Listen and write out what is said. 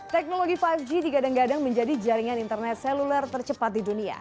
teknologi lima g digadang gadang menjadi jaringan internet seluler tercepat di dunia